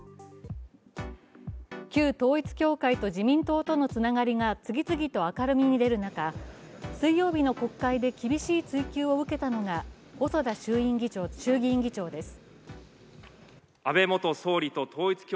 旧統一教会と自民党とのつながりが次々と明るみに出る中、水曜日の国会で厳しい追及を受けたのが細田衆議院議長です。